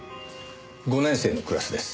５年生のクラスです。